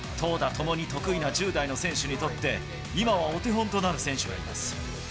ともに得意な１０代の選手にとって、今はお手本となる選手がいます。